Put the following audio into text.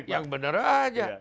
yang benar saja